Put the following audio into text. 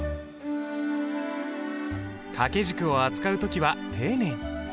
掛軸を扱う時は丁寧に。